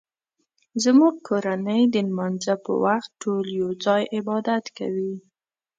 زموږ کورنۍ د لمانځه په وخت ټول یو ځای عبادت کوي